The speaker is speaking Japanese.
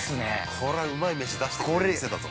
◆これはうまい飯出してくれる店だぞ。